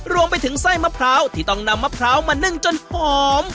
รวมไปถึงไส้มะพร้าวที่ต้องนำมะพร้าวมานึ่งจนหอม